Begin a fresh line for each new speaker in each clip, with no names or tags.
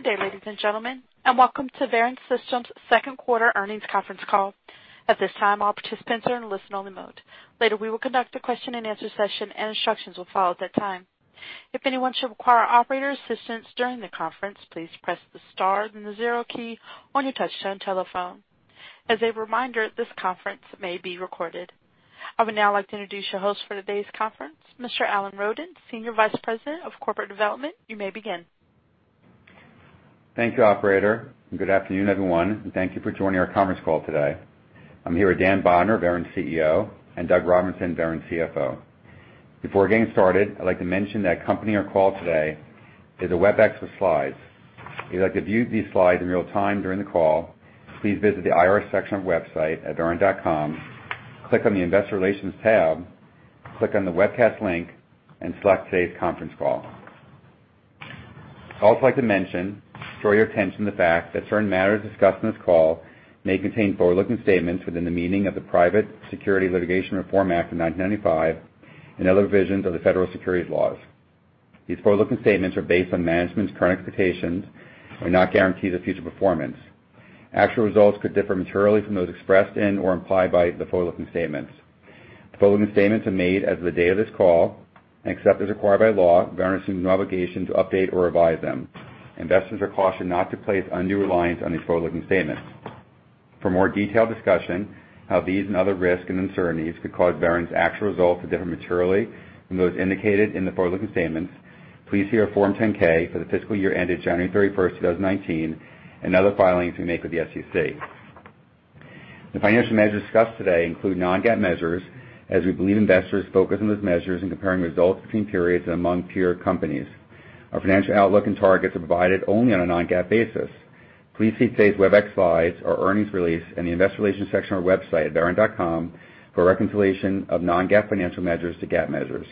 Good day, ladies and gentlemen, and welcome to Verint Systems' second quarter earnings conference call. At this time, all participants are in listen-only mode. Later, we will conduct a question-and-answer session, and instructions will follow at that time. If anyone should require operator assistance during the conference, please press the star and the zero key on your touch-tone telephone. As a reminder, this conference may be recorded. I would now like to introduce your host for today's conference, Mr. Alan Roden, Senior Vice President of Corporate Development. You may begin.
Thank you, Operator. Good afternoon, everyone, and thank you for joining our conference call today. I'm here with Dan Bodner, Verint CEO, and Doug Robinson, Verint CFO. Before getting started, I'd like to mention that accompanying our call today is a Webex with slides. If you'd like to view these slides in real time during the call, please visit the IR section of our website at verint.com, click on the Investor Relations tab, click on the Webcast link, and select today's conference call. I'd also like to mention, draw your attention to the fact that certain matters discussed in this call may contain forward-looking statements within the meaning of the Private Securities Litigation Reform Act of 1995 and other provisions of the federal securities laws. These forward-looking statements are based on management's current expectations and are not guarantees of future performance. Actual results could differ materially from those expressed in or implied by the forward-looking statements. The forward-looking statements are made as of the date of this call and except as required by law, with Verint receiving no obligation to update or revise them. Investors are cautioned not to place undue reliance on these forward-looking statements. For more detailed discussion of how these and other risks and uncertainties could cause Verint's actual results to differ materially from those indicated in the forward-looking statements, please see our Form 10-K for the fiscal year ended January 31st, 2019, and other filings we make with the SEC. The financial measures discussed today include non-GAAP measures, as we believe investors focus on those measures in comparing results between periods among peer companies. Our financial outlook and targets are provided only on a non-GAAP basis. Please see today's Webex slides or earnings release in the Investor Relations section of our website at verint.com for a reconciliation of non-GAAP financial measures to GAAP measures.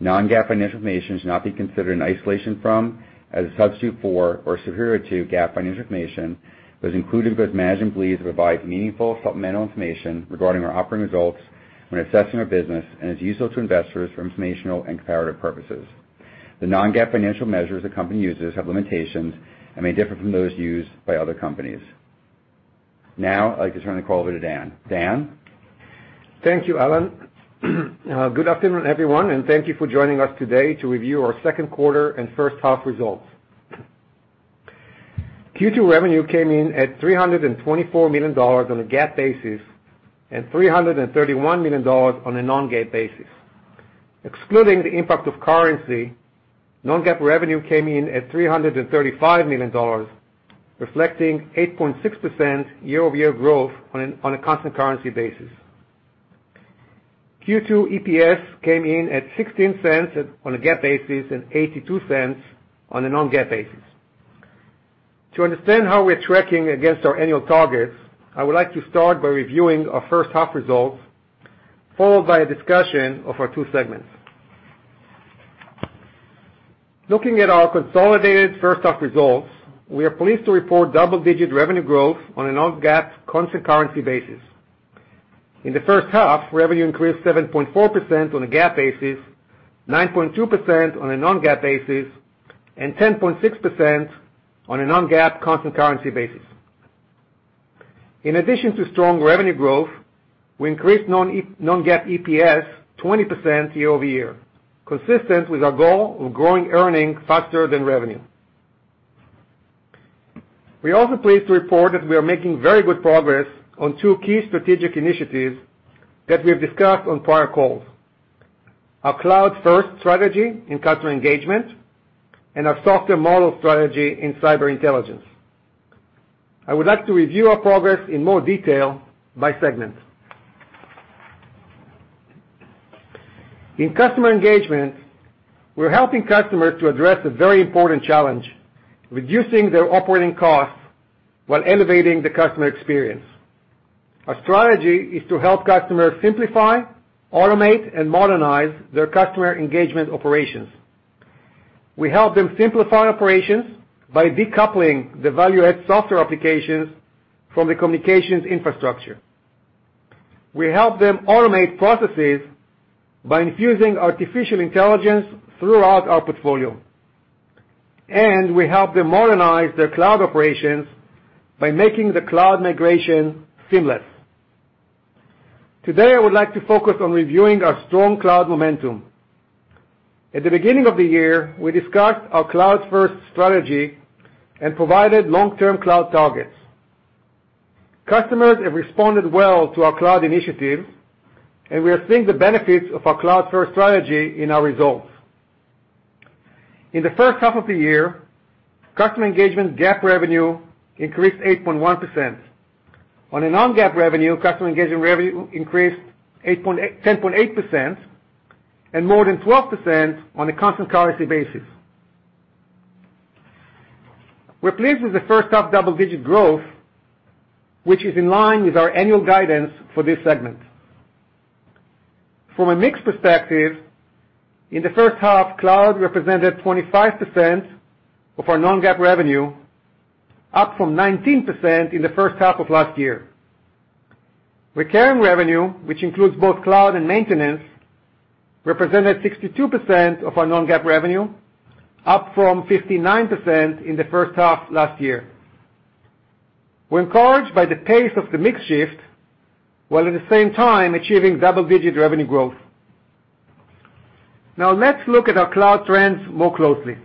Non-GAAP financial information should not be considered in isolation from, as a substitute for, or superior to GAAP financial information. It was included because management believes it provides meaningful supplemental information regarding our operating results when assessing our business and is useful to investors for informational and comparative purposes. The non-GAAP financial measures the company uses have limitations and may differ from those used by other companies. Now, I'd like to turn the call over to Dan. Dan.
Thank you, Alan. Good afternoon, everyone, and thank you for joining us today to review our second quarter and first half results. Q2 revenue came in at $324 million on a GAAP basis and $331 million on a non-GAAP basis. Excluding the impact of currency, non-GAAP revenue came in at $335 million, reflecting 8.6% year-over-year growth on a constant currency basis. Q2 EPS came in at $0.16 on a GAAP basis and $0.82 on a non-GAAP basis. To understand how we're tracking against our annual targets, I would like to start by reviewing our first half results, followed by a discussion of our two segments. Looking at our consolidated first half results, we are pleased to report double-digit revenue growth on a non-GAAP constant currency basis. In the first half, revenue increased 7.4% on a GAAP basis, 9.2% on a non-GAAP basis, and 10.6% on a non-GAAP constant currency basis. In addition to strong revenue growth, we increased non-GAAP EPS 20% year-over-year, consistent with our goal of growing earnings faster than revenue. We are also pleased to report that we are making very good progress on two key strategic initiatives that we have discussed on prior calls: our Cloud First Strategy in Customer Engagement and our Software Model Strategy in Cyber Intelligence. I would like to review our progress in more detail by segment. In Customer Engagement, we're helping customers to address a very important challenge: reducing their operating costs while elevating the customer experience. Our strategy is to help customers simplify, automate, and modernize their customer engagement operations. We help them simplify operations by decoupling the value-add software applications from the communications infrastructure. We help them automate processes by infusing artificial intelligence throughout our portfolio, and we help them modernize their cloud operations by making the cloud migration seamless. Today, I would like to focus on reviewing our strong cloud momentum. At the beginning of the year, we discussed our Cloud First Strategy and provided long-term cloud targets. Customers have responded well to our cloud initiatives, and we are seeing the benefits of our Cloud First Strategy in our results. In the first half of the year, Customer Engagement GAAP revenue increased 8.1%. On a non-GAAP revenue, Customer Engagement revenue increased 10.8% and more than 12% on a constant currency basis. We're pleased with the first half double-digit growth, which is in line with our annual guidance for this segment. From a mix perspective, in the first half, cloud represented 25% of our non-GAAP revenue, up from 19% in the first half of last year. Recurring revenue, which includes both cloud and maintenance, represented 62% of our non-GAAP revenue, up from 59% in the first half last year. We're encouraged by the pace of the mix shift, while at the same time achieving double-digit revenue growth. Now, let's look at our cloud trends more closely.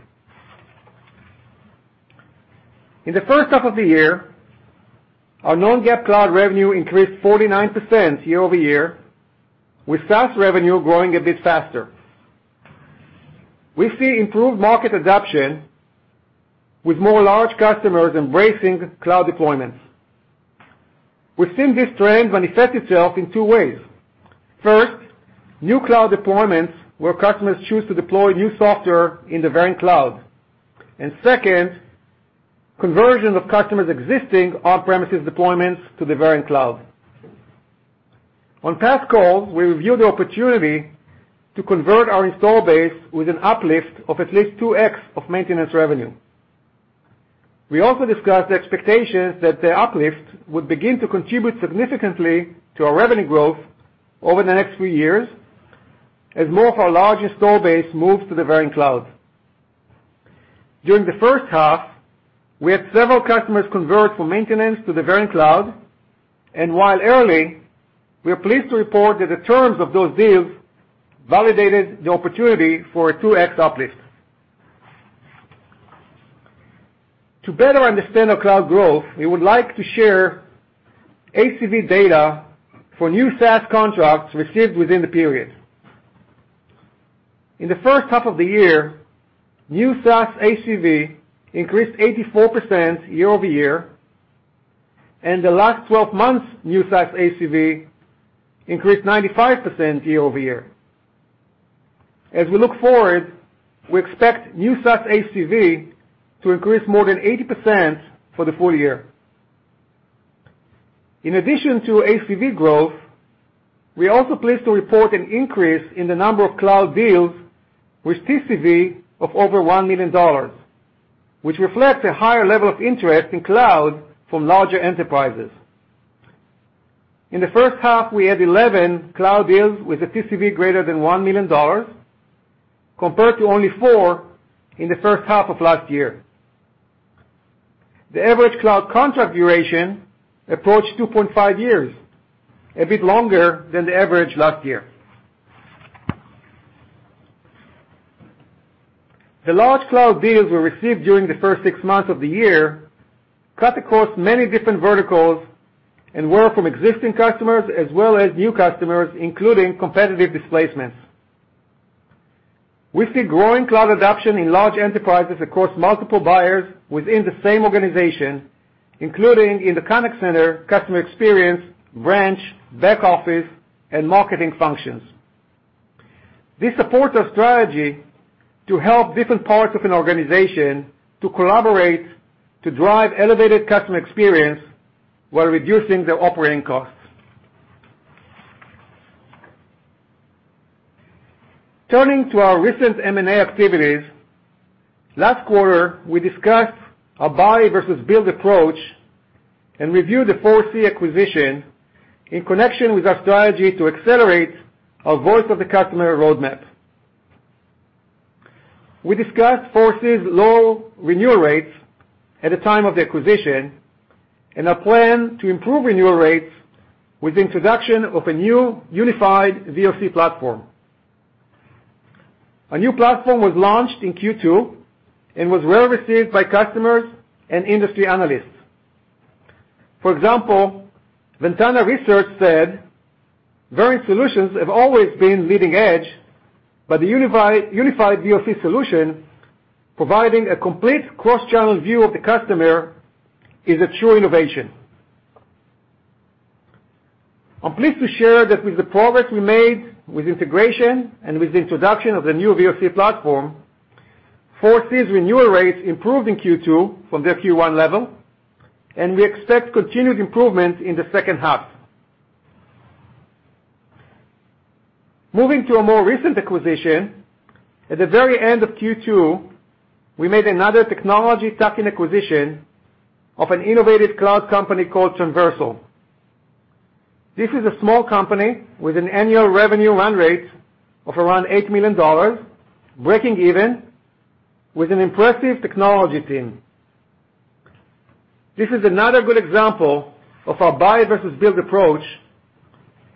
In the first half of the year, our non-GAAP cloud revenue increased 49% year-over-year, with SaaS revenue growing a bit faster. We see improved market adoption, with more large customers embracing cloud deployments. We've seen this trend manifest itself in two ways. First, new cloud deployments where customers choose to deploy new software in the Verint Cloud. And second, conversion of customers' existing on-premises deployments to the Verint Cloud. On past calls, we reviewed the opportunity to convert our install base with an uplift of at least 2X of maintenance revenue. We also discussed the expectations that the uplift would begin to contribute significantly to our revenue growth over the next three years as more of our large install base moves to the Verint Cloud. During the first half, we had several customers convert from maintenance to the Verint Cloud, and while early, we're pleased to report that the terms of those deals validated the opportunity for a 2X uplift. To better understand our cloud growth, we would like to share ACV data for new SaaS contracts received within the period. In the first half of the year, new SaaS ACV increased 84% year-over-year, and the last 12 months, new SaaS ACV increased 95% year-over-year. As we look forward, we expect new SaaS ACV to increase more than 80% for the full year. In addition to ACV growth, we are also pleased to report an increase in the number of cloud deals with TCV of over $1 million, which reflects a higher level of interest in cloud from larger enterprises. In the first half, we had 11 cloud deals with a TCV greater than $1 million, compared to only 4 in the first half of last year. The average cloud contract duration approached 2.5 years, a bit longer than the average last year. The large cloud deals we received during the first six months of the year cut across many different verticals and were from existing customers as well as new customers, including competitive displacements. We see growing cloud adoption in large enterprises across multiple buyers within the same organization, including in the contact center, customer experience, branch, back office, and marketing functions. This supports our strategy to help different parts of an organization to collaborate to drive elevated customer experience while reducing their operating costs. Turning to our recent M&A activities, last quarter, we discussed our buy versus build approach and reviewed the ForeSee acquisition in connection with our strategy to accelerate our voice of the customer roadmap. We discussed ForeSee's low renewal rates at the time of the acquisition and our plan to improve renewal rates with the introduction of a new Unified VOC Platform. A new platform was launched in Q2 and was well received by customers and industry analysts. For example, Ventana Research said, "Verint Solutions have always been leading edge, but the unified VOC solution providing a complete cross-channel view of the customer is a true innovation." I'm pleased to share that with the progress we made with integration and with the introduction of the new VOC platform, ForeSee's renewal rates improved in Q2 from their Q1 level, and we expect continued improvement in the second half. Moving to a more recent acquisition, at the very end of Q2, we made another technology tuck-in acquisition of an innovative cloud company called Transversal. This is a small company with an annual revenue run rate of around $8 million, breaking even with an impressive technology team. This is another good example of our buy versus build approach,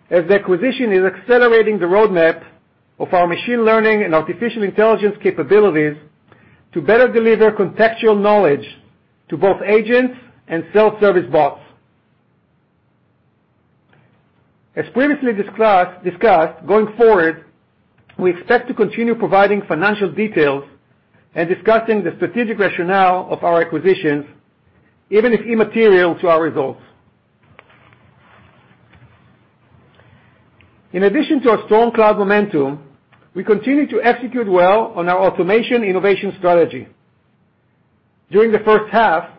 as the acquisition is accelerating the roadmap of our machine learning and artificial intelligence capabilities to better deliver contextual knowledge to both agents and self-service bots. As previously discussed, going forward, we expect to continue providing financial details and discussing the strategic rationale of our acquisitions, even if immaterial to our results. In addition to our strong cloud momentum, we continue to execute well on our automation innovation strategy. During the first half,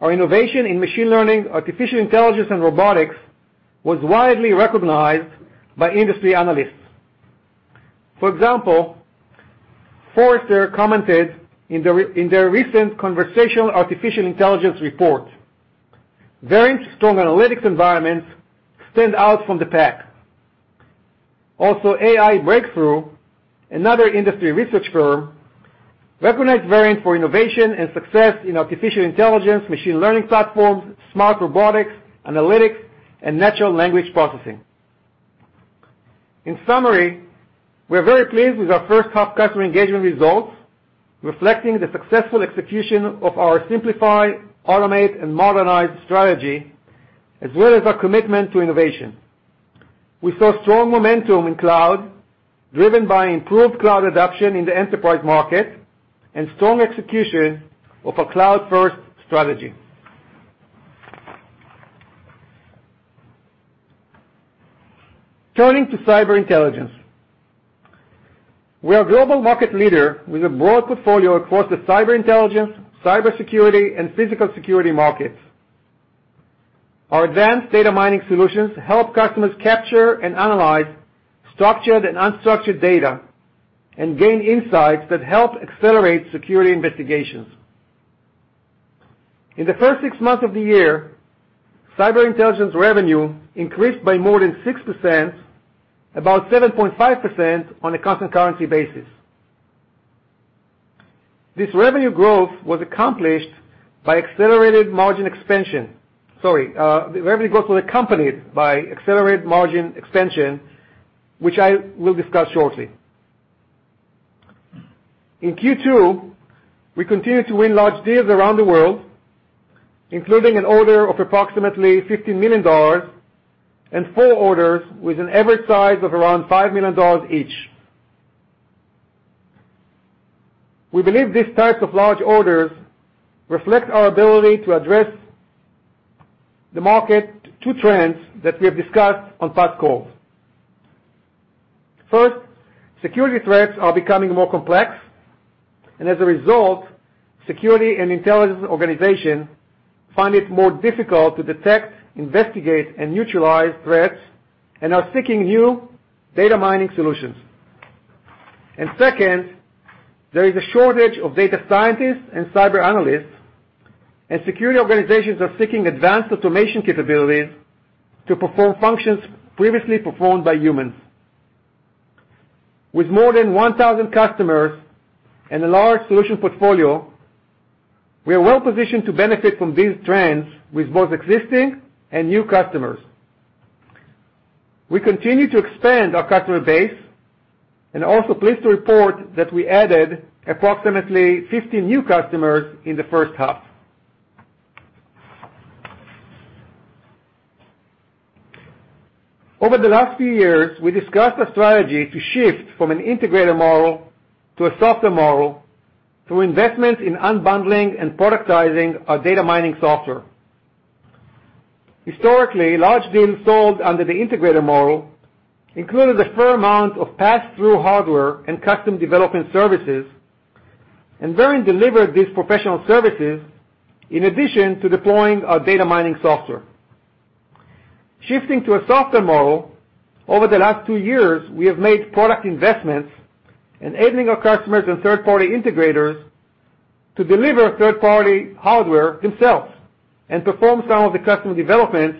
our innovation in machine learning, artificial intelligence, and robotics was widely recognized by industry analysts. For example, Forrester commented in their recent conversational artificial intelligence report, "Verint's strong analytics environments stand out from the pack." Also, AI Breakthrough, another industry research firm, recognized Verint for innovation and success in artificial intelligence, machine learning platforms, smart robotics, analytics, and natural language processing. In summary, we're very pleased with our first half Customer Engagement results, reflecting the successful execution of our simplify, automate, and modernize strategy, as well as our commitment to innovation. We saw strong momentum in cloud, driven by improved cloud adoption in the enterprise market and strong execution of our Cloud First Strategy. Turning to Cyber Intelligence, we are a global market leader with a broad portfolio across the Cyber Intelligence, cybersecurity, and physical security markets. Our advanced data mining solutions help customers capture and analyze structured and unstructured data and gain insights that help accelerate security investigations. In the first six months of the year, Cyber Intelligence revenue increased by more than 6%, about 7.5% on a constant currency basis. This revenue growth was accompanied by accelerated margin expansion, which I will discuss shortly. In Q2, we continued to win large deals around the world, including an order of approximately $15 million and four orders with an average size of around $5 million each. We believe these types of large orders reflect our ability to address the two market trends that we have discussed on past calls. First, security threats are becoming more complex, and as a result, security and intelligence organizations find it more difficult to detect, investigate, and neutralize threats and are seeking new data mining solutions. And second, there is a shortage of data scientists and cyber analysts, and security organizations are seeking advanced automation capabilities to perform functions previously performed by humans. With more than 1,000 customers and a large solution portfolio, we are well positioned to benefit from these trends with both existing and new customers. We continue to expand our customer base and are also pleased to report that we added approximately 15 new customers in the first half. Over the last few years, we discussed a strategy to shift from an integrated model to a software model through investments in unbundling and productizing our data mining software. Historically, large deals sold under the integrated model included a fair amount of pass-through hardware and custom development services, and Verint delivered these professional services in addition to deploying our data mining software. Shifting to a software model, over the last two years, we have made product investments enabling our customers and third-party integrators to deliver third-party hardware themselves and perform some of the customer developments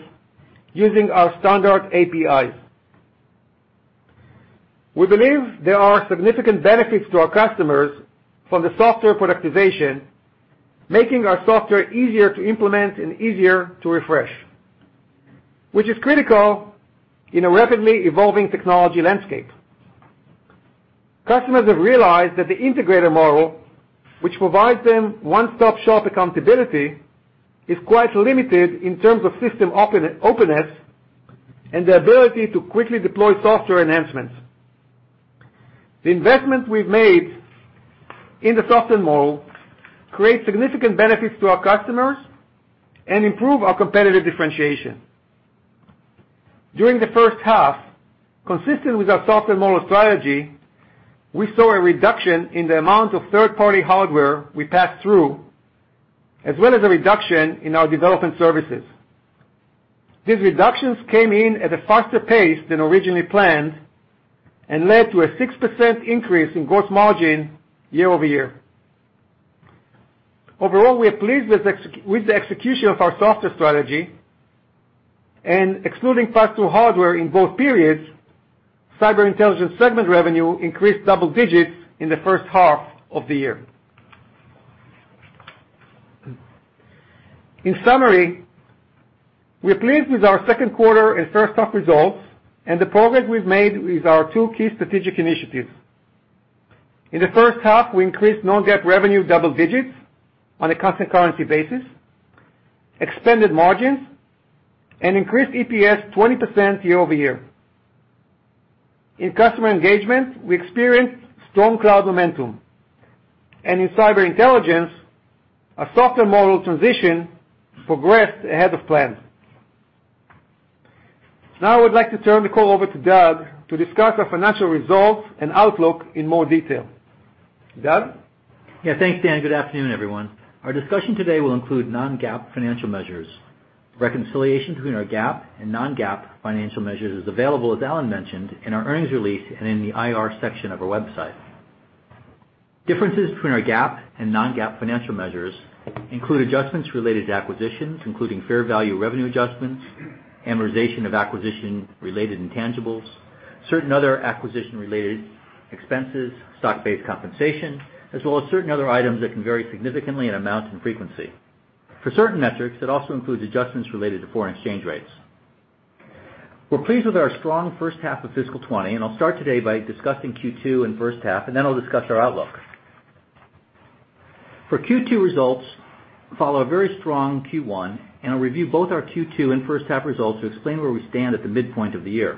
using our standard APIs. We believe there are significant benefits to our customers from the software productization, making our software easier to implement and easier to refresh, which is critical in a rapidly evolving technology landscape. Customers have realized that the integrated model, which provides them one-stop-shop accountability, is quite limited in terms of system openness and the ability to quickly deploy software enhancements. The investment we've made in the software model creates significant benefits to our customers and improves our competitive differentiation. During the first half, consistent with our software model strategy, we saw a reduction in the amount of third-party hardware we passed through, as well as a reduction in our development services. These reductions came in at a faster pace than originally planned and led to a 6% increase in gross margin year-over-year. Overall, we are pleased with the execution of our software strategy, and excluding pass-through hardware in both periods, cyber intelligence segment revenue increased double digits in the first half of the year. In summary, we're pleased with our second quarter and first half results, and the progress we've made with our two key strategic initiatives. In the first half, we increased non-GAAP revenue double digits on a constant currency basis, expanded margins, and increased EPS 20% year-over-year. In customer engagement, we experienced strong cloud momentum, and in cyber intelligence, our software model transition progressed ahead of plan. Now, I would like to turn the call over to Doug to discuss our financial results and outlook in more detail. Dan? Yeah, thanks, Dan. Good afternoon, everyone. Our discussion today will include non-GAAP financial measures. Reconciliation between our GAAP and non-GAAP financial measures is available, as Alan mentioned, in our earnings release and in the IR section of our website. Differences between our GAAP and non-GAAP financial measures include adjustments related to acquisitions, including fair value revenue adjustments, amortization of acquisition-related intangibles, certain other acquisition-related expenses, stock-based compensation, as well as certain other items that can vary significantly in amount and frequency. For certain metrics, that also includes adjustments related to foreign exchange rates. We're pleased with our strong first half of fiscal 2020, and I'll start today by discussing Q2 and first half, and then I'll discuss our outlook. For Q2 results, follow a very strong Q1, and I'll review both our Q2 and first half results to explain where we stand at the midpoint of the year.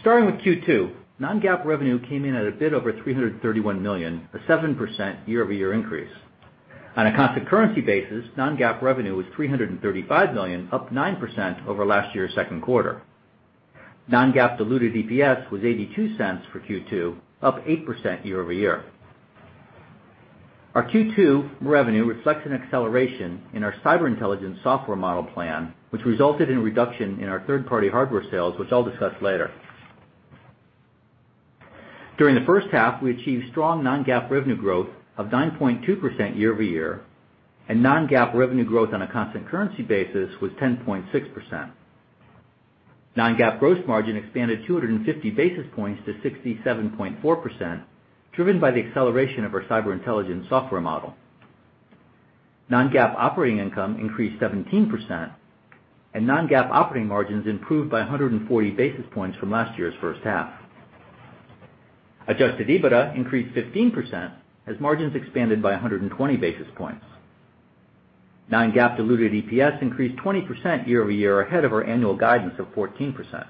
Starting with Q2, non-GAAP revenue came in at a bit over $331 million, a 7% year-over-year increase. On a constant currency basis, non-GAAP revenue was $335 million, up 9% over last year's second quarter. Non-GAAP diluted EPS was $0.82 for Q2, up 8% year-over-year. Our Q2 revenue reflects an acceleration in our cyber intelligence software model plan, which resulted in a reduction in our third-party hardware sales, which I'll discuss later. During the first half, we achieved strong non-GAAP revenue growth of 9.2% year-over-year, and non-GAAP revenue growth on a constant currency basis was 10.6%. Non-GAAP gross margin expanded 250 basis points to 67.4%, driven by the acceleration of our cyber intelligence software model. Non-GAAP operating income increased 17%, and non-GAAP operating margins improved by 140 basis points from last year's first half. Adjusted EBITDA increased 15% as margins expanded by 120 basis points. Non-GAAP diluted EPS increased 20% year-over-year ahead of our annual guidance of 14%.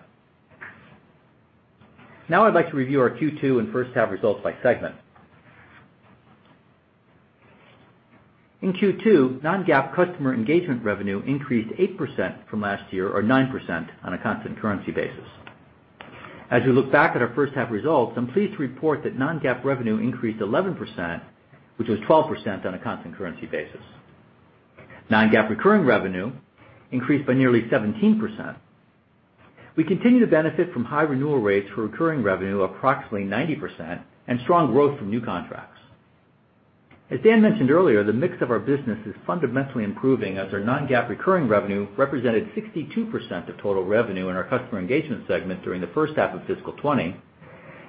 Now, I'd like to review our Q2 and first half results by segment. In Q2, non-GAAP Customer Engagement revenue increased 8% from last year, or 9% on a constant currency basis. As we look back at our first half results, I'm pleased to report that non-GAAP revenue increased 11%, which was 12% on a constant currency basis. Non-GAAP recurring revenue increased by nearly 17%. We continue to benefit from high renewal rates for recurring revenue, approximately 90%, and strong growth from new contracts. As Dan mentioned earlier, the mix of our business is fundamentally improving as our non-GAAP recurring revenue represented 62% of total revenue in our Customer Engagement segment during the first half of fiscal 2020,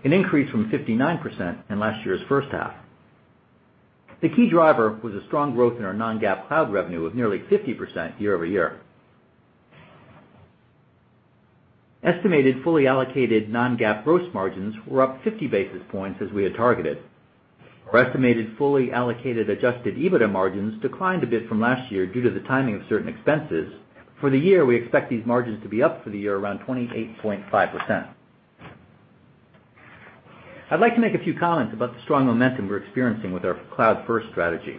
an increase from 59% in last year's first half. The key driver was a strong growth in our non-GAAP cloud revenue of nearly 50% year-over-year. Estimated fully allocated non-GAAP gross margins were up 50 basis points as we had targeted. Our estimated fully allocated adjusted EBITDA margins declined a bit from last year due to the timing of certain expenses. For the year, we expect these margins to be up for the year around 28.5%. I'd like to make a few comments about the strong momentum we're experiencing with our Cloud First Strategy.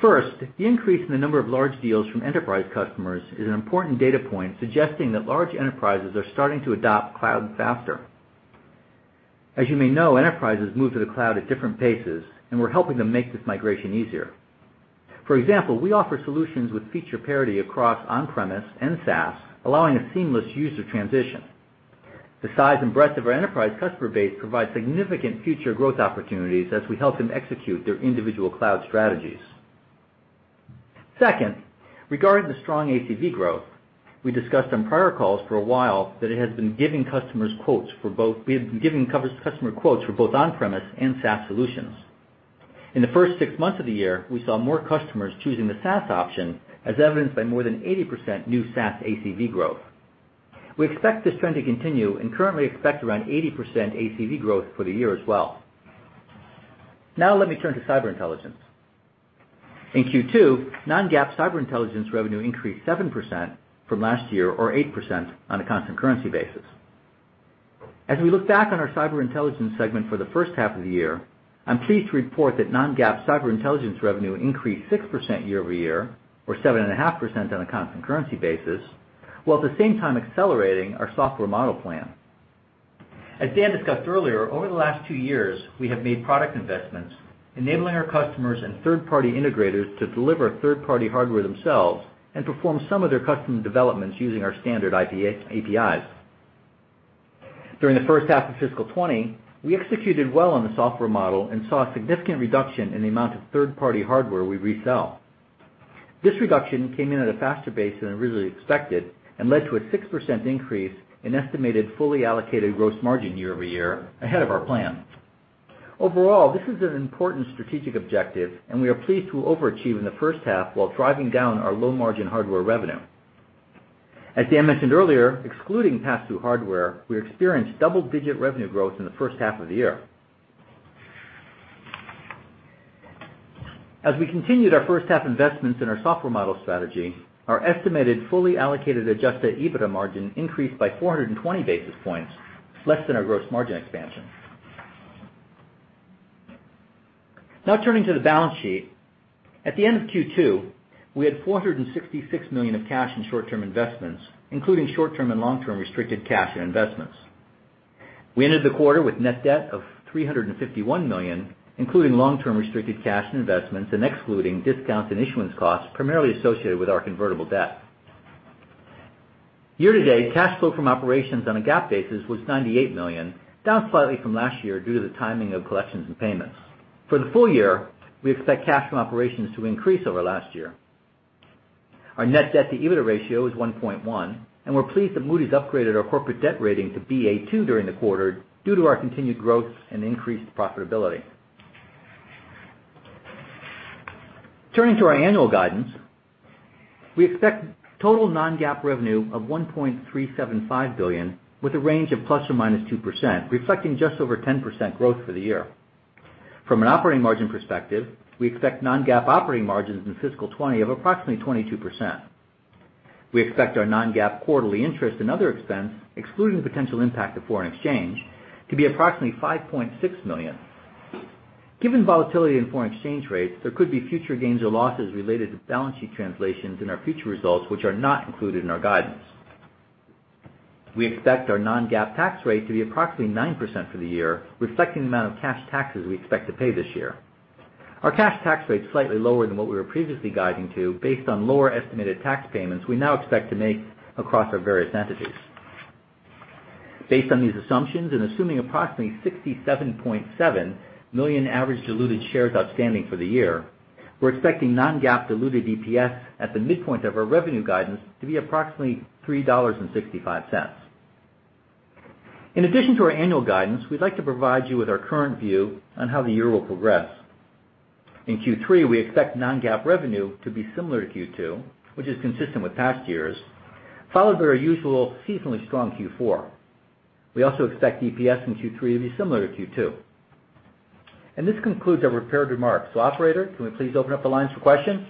First, the increase in the number of large deals from enterprise customers is an important data point suggesting that large enterprises are starting to adopt cloud faster. As you may know, enterprises move to the cloud at different paces, and we're helping them make this migration easier. For example, we offer solutions with feature parity across on-premise and SaaS, allowing a seamless user transition. The size and breadth of our enterprise customer base provides significant future growth opportunities as we help them execute their individual cloud strategies. Second, regarding the strong ACV growth, we discussed on prior calls for a while that it has been giving customers quotes for both on-premise and SaaS solutions. In the first six months of the year, we saw more customers choosing the SaaS option, as evidenced by more than 80% new SaaS ACV growth. We expect this trend to continue and currently expect around 80% ACV growth for the year as well. Now, let me turn to Cyber Intelligence. In Q2, non-GAAP Cyber Intelligence revenue increased 7% from last year, or 8% on a constant currency basis. As we look back on our Cyber Intelligence segment for the first half of the year, I'm pleased to report that non-GAAP Cyber Intelligence revenue increased 6% year-over-year, or 7.5% on a constant currency basis, while at the same time accelerating our software model plan. As Dan discussed earlier, over the last two years, we have made product investments, enabling our customers and third-party integrators to deliver third-party hardware themselves and perform some of their custom developments using our standard APIs. During the first half of fiscal 2020, we executed well on the software model and saw a significant reduction in the amount of third-party hardware we resell. This reduction came in at a faster pace than originally expected and led to a 6% increase in estimated fully allocated gross margin year-over-year ahead of our plan. Overall, this is an important strategic objective, and we are pleased to overachieve in the first half while driving down our low-margin hardware revenue. As Dan mentioned earlier, excluding pass-through hardware, we experienced double-digit revenue growth in the first half of the year. As we continued our first half investments in our software model strategy, our estimated fully allocated adjusted EBITDA margin increased by 420 basis points, less than our gross margin expansion. Now, turning to the balance sheet, at the end of Q2, we had $466 million of cash and short-term investments, including short-term and long-term restricted cash and investments. We ended the quarter with net debt of $351 million, including long-term restricted cash and investments and excluding discounts and issuance costs primarily associated with our convertible debt. Year-to-date, cash flow from operations on a GAAP basis was $98 million, down slightly from last year due to the timing of collections and payments. For the full year, we expect cash from operations to increase over last year. Our net debt-to-EBITDA ratio is 1.1, and we're pleased that Moody's upgraded our corporate debt rating to Ba2 during the quarter due to our continued growth and increased profitability. Turning to our annual guidance, we expect total non-GAAP revenue of $1.375 billion, with a range of plus or minus 2%, reflecting just over 10% growth for the year. From an operating margin perspective, we expect non-GAAP operating margins in fiscal 2020 of approximately 22%. We expect our non-GAAP quarterly interest and other expense, excluding potential impact of foreign exchange, to be approximately $5.6 million. Given volatility in foreign exchange rates, there could be future gains or losses related to balance sheet translations in our future results, which are not included in our guidance. We expect our non-GAAP tax rate to be approximately 9% for the year, reflecting the amount of cash taxes we expect to pay this year. Our cash tax rate is slightly lower than what we were previously guiding to, based on lower estimated tax payments we now expect to make across our various entities. Based on these assumptions and assuming approximately 67.7 million average diluted shares outstanding for the year, we're expecting non-GAAP diluted EPS at the midpoint of our revenue guidance to be approximately $3.65. In addition to our annual guidance, we'd like to provide you with our current view on how the year will progress. In Q3, we expect non-GAAP revenue to be similar to Q2, which is consistent with past years, followed by our usual seasonally strong Q4. We also expect EPS in Q3 to be similar to Q2. And this concludes our prepared remarks. So, Operator, can we please open up the lines for questions?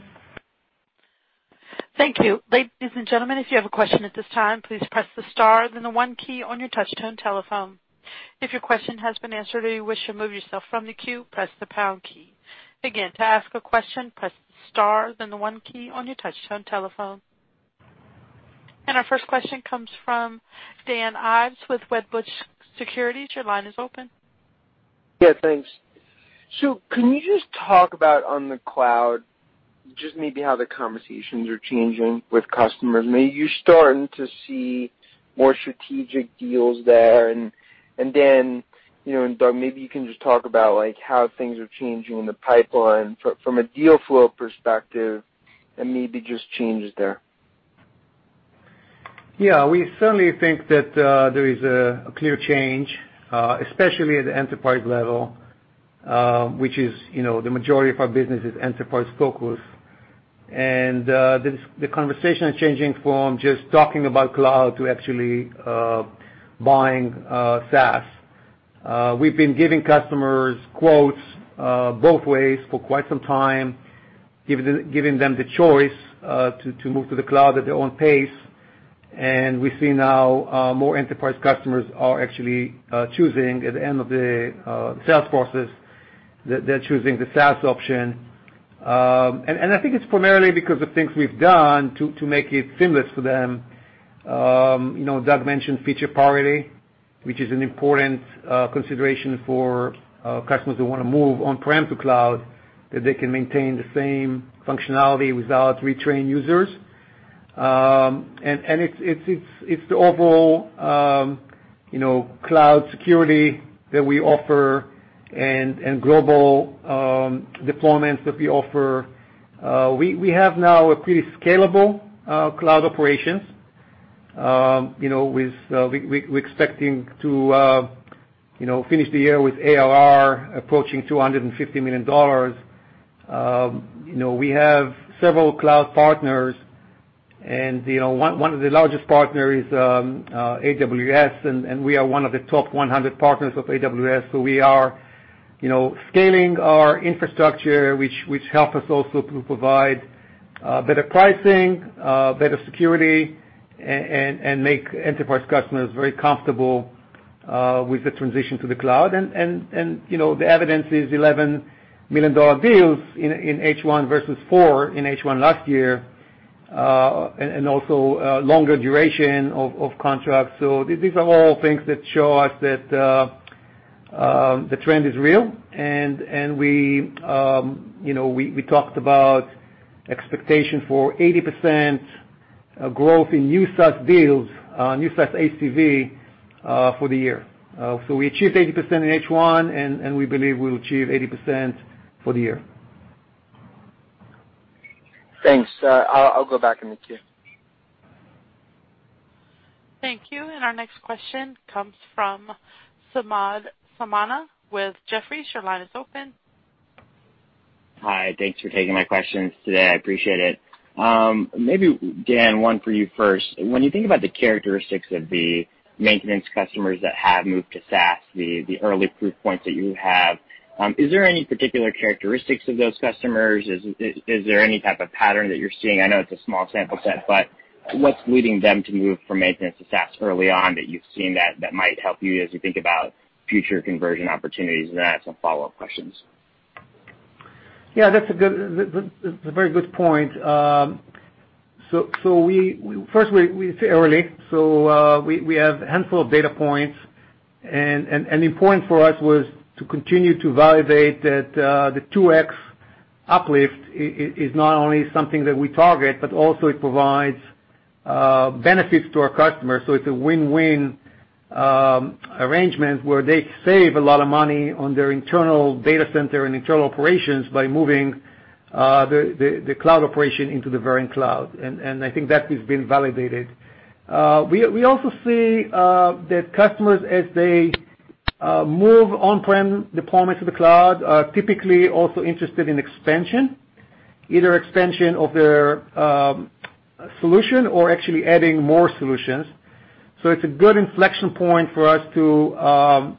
Thank you. Ladies and gentlemen, if you have a question at this time, please press the star, then the one key on your touchtone telephone. If your question has been answered or you wish to move yourself from the queue, press the pound key. Again, to ask a question, press the star, then the one key on your touchtone telephone. And our first question comes from Dan Ives with Wedbush Securities. Your line is open.
Yeah, thanks. So, can you just talk about on the cloud, just maybe how the conversations are changing with customers? I mean, you're starting to see more strategic deals there. And then, Doug, maybe you can just talk about how things are changing in the pipeline from a deal flow perspective and maybe just changes there.
Yeah, we certainly think that there is a clear change, especially at the enterprise level, which is the majority of our business, is enterprise-focused. And the conversation is changing from just talking about cloud to actually buying SaaS. We've been giving customers quotes both ways for quite some time, giving them the choice to move to the cloud at their own pace. And we see now more enterprise customers are actually choosing at the end of the sales process, they're choosing the SaaS option. And I think it's primarily because of things we've done to make it seamless for them. Doug mentioned feature parity, which is an important consideration for customers who want to move on-prem to cloud, that they can maintain the same functionality without retraining users, and it's the overall cloud security that we offer and global deployments that we offer. We have now a pretty scalable cloud operations. We're expecting to finish the year with ARR approaching $250 million. We have several cloud partners, and one of the largest partners is AWS, and we are one of the top 100 partners of AWS, so we are scaling our infrastructure, which helps us also to provide better pricing, better security, and make enterprise customers very comfortable with the transition to the cloud, and the evidence is $11 million deals in H1 versus four in H1 last year, and also longer duration of contracts, so these are all things that show us that the trend is real. And we talked about expectations for 80% growth in new SaaS deals, new SaaS ACV for the year. So we achieved 80% in H1, and we believe we'll achieve 80% for the year.
Thanks. I'll go back and meet you.
Thank you. And our next question comes from Samad Samana with Jefferies. Your line is open.
Hi. Thanks for taking my questions today. I appreciate it. Maybe, Dan, one for you first. When you think about the characteristics of the maintenance customers that have moved to SaaS, the early proof points that you have, is there any particular characteristics of those customers? Is there any type of pattern that you're seeing? I know it's a small sample set, but what's leading them to move from maintenance to SaaS early on that you've seen that might help you as you think about future conversion opportunities? And then I have some follow-up questions.
Yeah, that's a very good point, so first, we say early, so we have a handful of data points, and the importance for us was to continue to validate that the 2X uplift is not only something that we target, but also it provides benefits to our customers, so it's a win-win arrangement where they save a lot of money on their internal data center and internal operations by moving the cloud operation into the Verint Cloud, and I think that has been validated. We also see that customers, as they move on-prem deployments to the cloud, are typically also interested in expansion, either expansion of their solution or actually adding more solutions, so it's a good inflection point for us to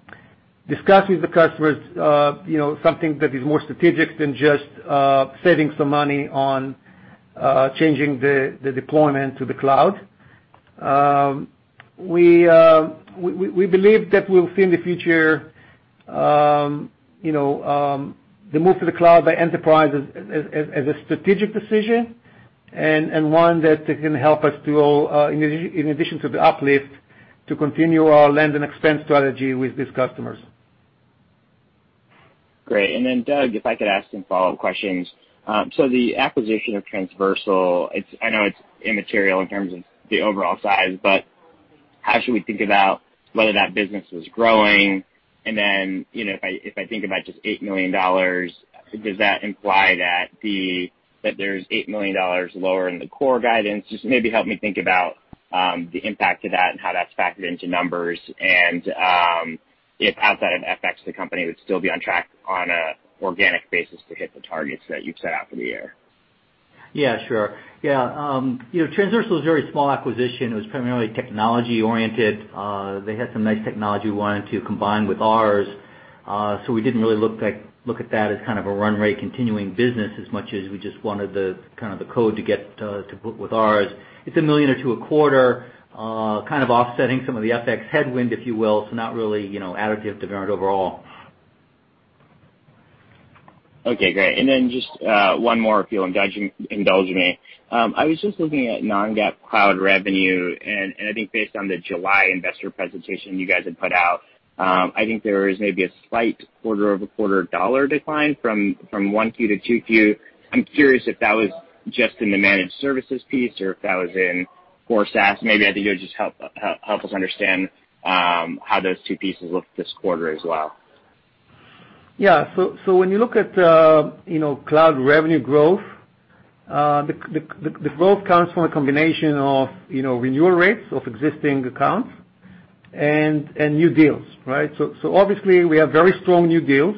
discuss with the customers something that is more strategic than just saving some money on changing the deployment to the cloud. We believe that we'll see in the future the move to the cloud by enterprises as a strategic decision and one that can help us, in addition to the uplift, to continue our land-and-expand strategy with these customers.
Great, and then, Doug, if I could ask some follow-up questions, so the acquisition of Transversal, I know it's immaterial in terms of the overall size, but how should we think about whether that business is growing, and then if I think about just $8 million, does that imply that there's $8 million lower in the core guidance, just maybe help me think about the impact of that and how that's factored into numbers, and if outside of FX, the company would still be on track on an organic basis to hit the targets that you've set out for the year.
Yeah, sure. Yeah. Transversal is a very small acquisition. It was primarily technology-oriented. They had some nice technology we wanted to combine with ours. So we didn't really look at that as kind of a runway continuing business as much as we just wanted the kind of the code to get to put with ours. It's $1 million or $2 million a quarter, kind of offsetting some of the FX headwind, if you will, so not really additive to Verint overall.
Okay. Great. And then just one more, if you'll indulge me. I was just looking at non-GAAP cloud revenue, and I think based on the July investor presentation you guys had put out, I think there was maybe a slight quarter-over-quarter dollar decline from Q1 to Q2. I'm curious if that was just in the managed services piece or if that was in core SaaS. Maybe I think it would just help us understand how those two pieces look this quarter as well.
Yeah. So when you look at cloud revenue growth, the growth comes from a combination of renewal rates of existing accounts and new deals, right? So obviously, we have very strong new deals,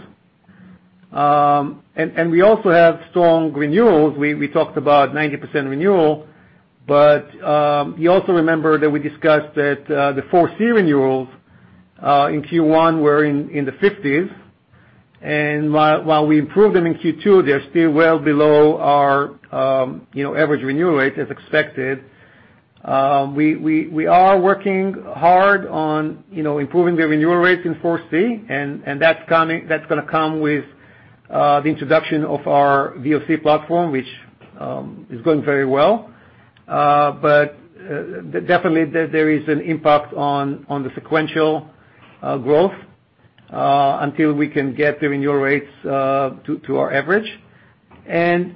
and we also have strong renewals. We talked about 90% renewal, but you also remember that we discussed that the ForeSee renewals in Q1 were in the 50s. And while we improved them in Q2, they're still well below our average renewal rate as expected. We are working hard on improving the renewal rates in ForeSee, and that's going to come with the introduction of our VOC platform, which is going very well. But definitely, there is an impact on the sequential growth until we can get the renewal rates to our average. And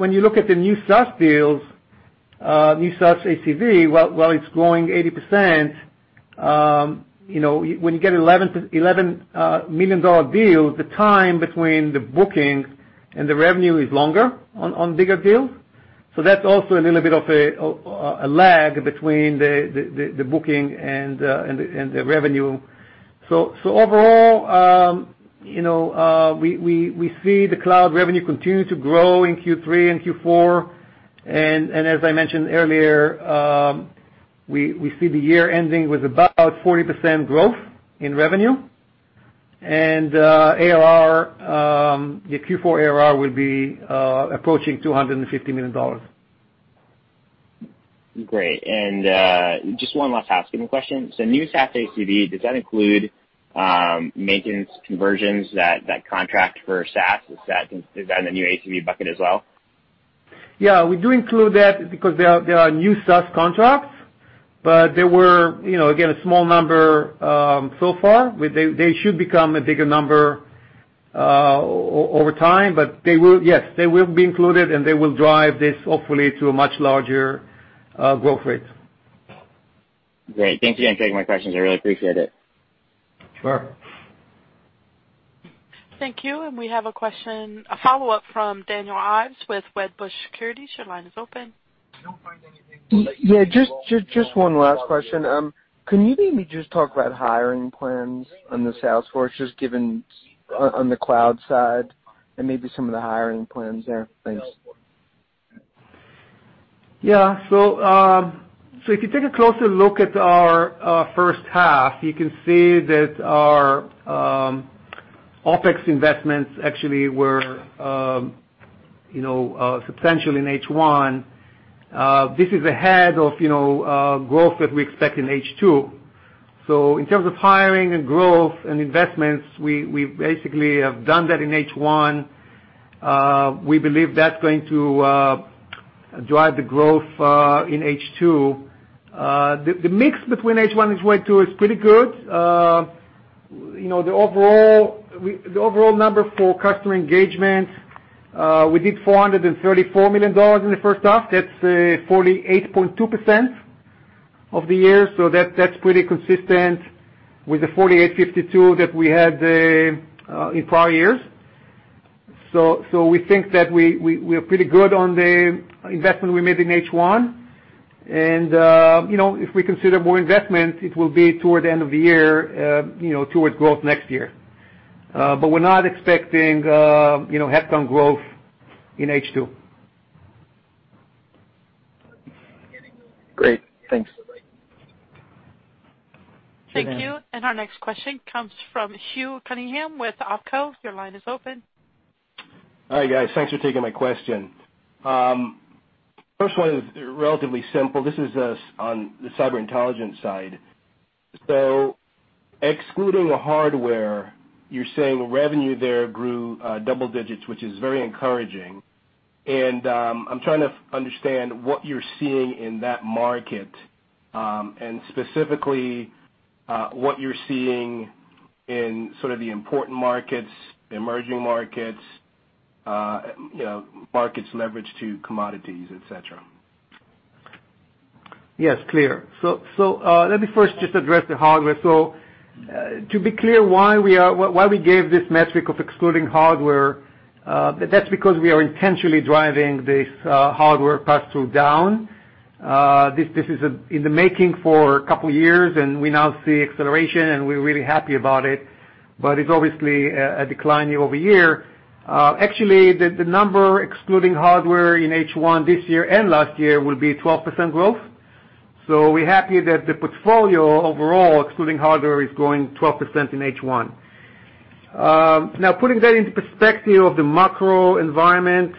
when you look at the new SaaS deals, new SaaS ACV, while it's growing 80%, when you get $11 million deals, the time between the booking and the revenue is longer on bigger deals. So that's also a little bit of a lag between the booking and the revenue. So overall, we see the cloud revenue continue to grow in Q3 and Q4. And as I mentioned earlier, we see the year ending with about 40% growth in revenue. And the Q4 ARR will be approaching $250 million.
Great. And just one last housekeeping question. So new SaaS ACV, does that include maintenance conversions that contract for SaaS? Is that in the new ACV bucket as well?
Yeah. We do include that because there are new SaaS contracts, but there were, again, a small number so far. They should become a bigger number over time, but yes, they will be included, and they will drive this, hopefully, to a much larger growth rate.
Great. Thanks again for taking my questions. I really appreciate it. Sure.
Thank you. And we have a question, a follow-up from Daniel Ives with Wedbush Securities.
Your line is open. I don't find anything. Yeah. Just one last question. Can you maybe just talk about hiring plans on the sales force, just given on the cloud side and maybe some of the hiring plans there? Thanks.
Yeah. So if you take a closer look at our first half, you can see that our OpEx investments actually were substantial in H1. This is ahead of growth that we expect in H2. So in terms of hiring and growth and investments, we basically have done that in H1. We believe that's going to drive the growth in H2. The mix between H1 and H2 is pretty good. The overall number for customer engagement, we did $434 million in the first half. That's 48.2% of the year. So that's pretty consistent with the 48.52% that we had in prior years. So we think that we are pretty good on the investment we made in H1. And if we consider more investment, it will be toward the end of the year, towards growth next year. But we're not expecting headcount growth in H2.
Great. Thanks.
Thank you. And our next question comes from Hugh Cunningham with OpCo. Your line is open.
All right, guys. Thanks for taking my question. First one is relatively simple. This is on the cyber intelligence side. So excluding the hardware, you're saying revenue there grew double digits, which is very encouraging. And I'm trying to understand what you're seeing in that market and specifically what you're seeing in sort of the important markets, emerging markets, markets leveraged to commodities, etc.
Yes. Clear. So let me first just address the hardware. So to be clear why we gave this metric of excluding hardware, that's because we are intentionally driving this hardware pass-through down. This is in the making for a couple of years, and we now see acceleration, and we're really happy about it. But it's obviously a decline year over year. Actually, the number excluding hardware in H1 this year and last year will be 12% growth. So we're happy that the portfolio overall excluding hardware is growing 12% in H1. Now, putting that into perspective of the macro environment,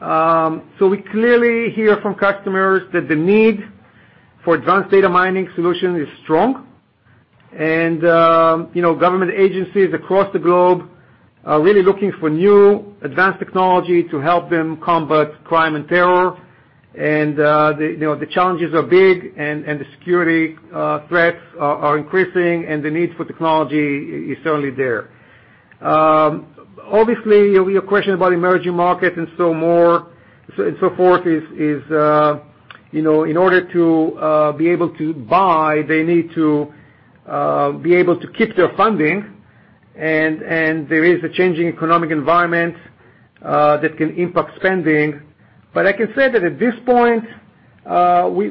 so we clearly hear from customers that the need for advanced data mining solutions is strong. Government agencies across the globe are really looking for new advanced technology to help them combat crime and terror. And the challenges are big, and the security threats are increasing, and the need for technology is certainly there. Obviously, your question about emerging markets and so forth is, in order to be able to buy, they need to be able to keep their funding. And there is a changing economic environment that can impact spending. But I can say that at this point,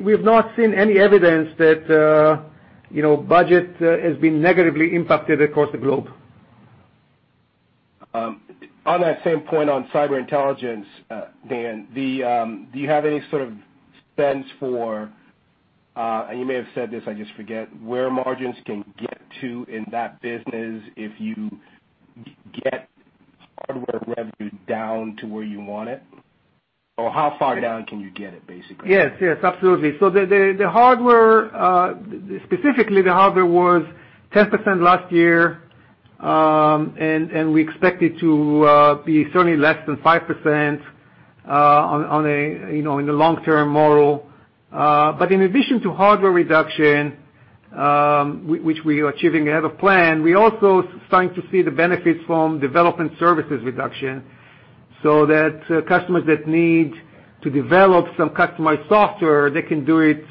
we've not seen any evidence that budget has been negatively impacted across the globe.
On that same point on Cyber Intelligence, Dan, do you have any sort of sense for, and you may have said this, I just forget, where margins can get to in that business if you get hardware revenue down to where you want it? Or how far down can you get it, basically?
Yes. Absolutely. So specifically, the hardware was 10% last year, and we expect it to be certainly less than 5% in the long-term model. But in addition to hardware reduction, which we are achieving ahead of plan, we're also starting to see the benefits from development services reduction. So that customers that need to develop some customized software, they can do it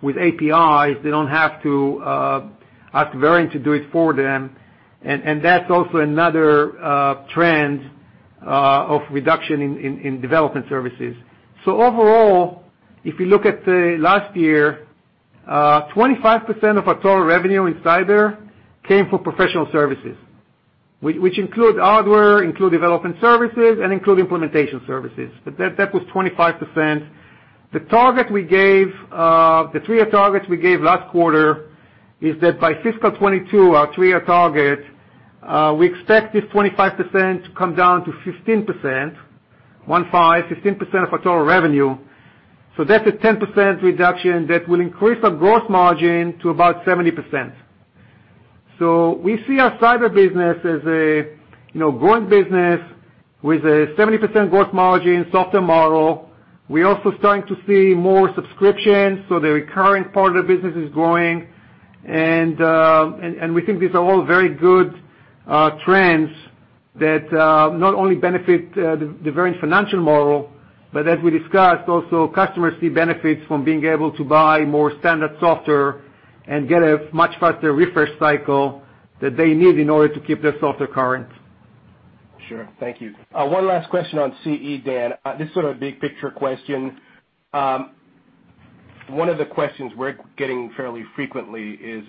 with APIs. They don't have to ask Verint to do it for them. And that's also another trend of reduction in development services. So overall, if you look at last year, 25% of our total revenue in cyber came from professional services, which include hardware, include development services, and include implementation services. But that was 25%. The target we gave, the three-year targets we gave last quarter, is that by fiscal 2022, our three-year target, we expect this 25% to come down to 15%, 1.5, 15% of our total revenue. So that's a 10% reduction that will increase our gross margin to about 70%. So we see our cyber business as a growing business with a 70% gross margin, software model. We're also starting to see more subscriptions. So the recurring part of the business is growing. And we think these are all very good trends that not only benefit the Verint financial model, but as we discussed, also customers see benefits from being able to buy more standard software and get a much faster refresh cycle that they need in order to keep their software current.
Sure. Thank you. One last question on CE, Dan. This is sort of a big picture question. One of the questions we're getting fairly frequently is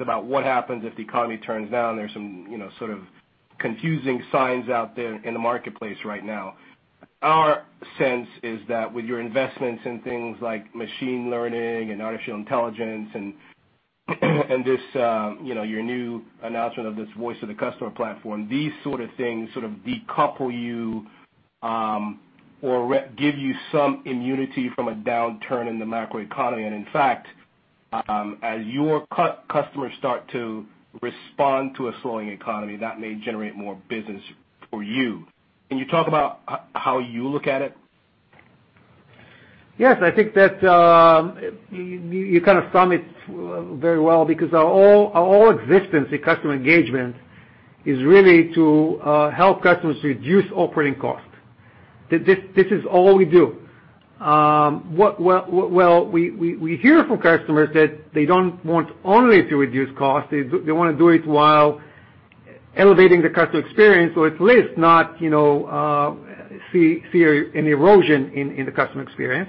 about what happens if the economy turns down. There's some sort of confusing signs out there in the marketplace right now. Our sense is that with your investments in things like machine learning and artificial intelligence and your new announcement of this Voice of the Customer platform, these sort of things sort of decouple you or give you some immunity from a downturn in the macro economy. And in fact, as your customers start to respond to a slowing economy, that may generate more business for you. Can you talk about how you look at it?
Yes. I think that you kind of sum it very well because our whole existence in Customer Engagement is really to help customers reduce operating cost. This is all we do. Well, we hear from customers that they don't want only to reduce cost. They want to do it while elevating the customer experience or at least not see an erosion in the customer experience.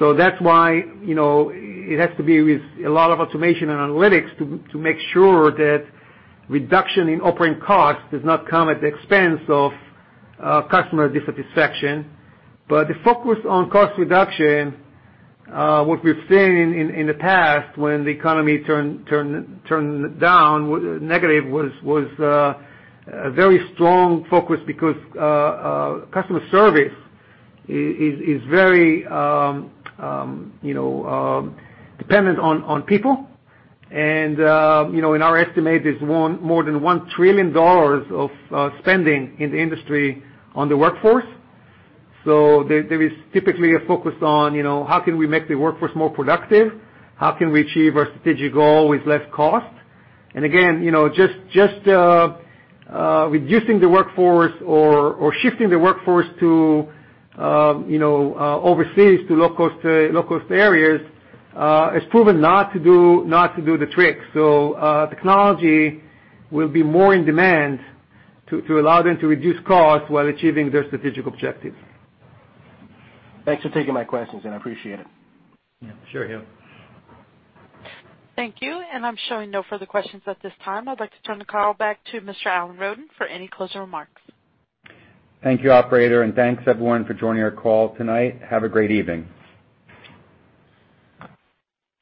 So that's why it has to be with a lot of automation and analytics to make sure that reduction in operating cost does not come at the expense of customer dissatisfaction. But the focus on cost reduction, what we've seen in the past when the economy turned down negative, was a very strong focus because customer service is very dependent on people. And in our estimate, there's more than $1 trillion of spending in the industry on the workforce. So there is typically a focus on how can we make the workforce more productive? How can we achieve our strategic goal with less cost? And again, just reducing the workforce or shifting the workforce overseas to low-cost areas has proven not to do the trick. So technology will be more in demand to allow them to reduce cost while achieving their strategic objectives.
Thanks for taking my questions, and I appreciate it. Yeah.
Sure, Hugh.
Thank you. And I'm showing no further questions at this time. I'd like to turn the call back to Mr. Alan Roden for any closing remarks.
Thank you, operator. And thanks everyone for joining our call tonight. Have a great evening.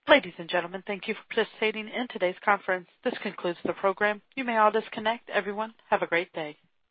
Ladies and gentlemen, thank you for participating in today's conference. This concludes the program. You may all disconnect. Everyone, have a great day.